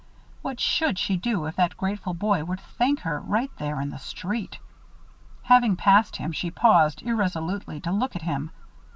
What should she do if that grateful boy were to thank her, right there in the street! Having passed him, she paused irresolutely to look at him.